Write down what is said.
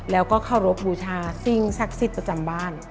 แล้วก็เคารพบูชาสิ่งศักดิ์สิทธิ์ประจำบ้าน